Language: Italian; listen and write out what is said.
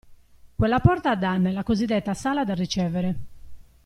Quella porta dà nella cosidetta sala da ricevere.